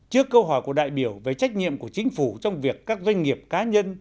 trước câu hỏi của đại biểu về trách nhiệm của chính phủ trong việc các doanh nghiệp cá nhân